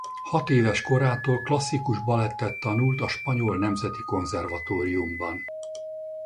Hatéves korától klasszikus balettet tanult a spanyol nemzeti konzervatóriumban.